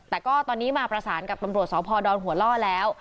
แต่ก็ตอนนี้มาประสานกับตำรวจสพดอนหัวล่อแล้ว